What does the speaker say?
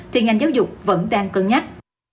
thì ngành giáo dục vẫn đang cân nhắc